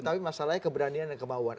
tapi masalahnya keberanian dan kemauan